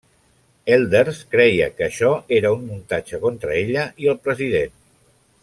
Elders creia que això era un muntatge contra ella i el president.